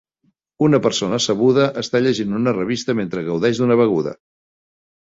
Una persona sabuda està llegint una revista mentre gaudeix d'una beguda